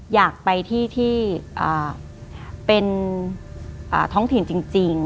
อยากไปที่ที่เป็นท้องถิ่นจริง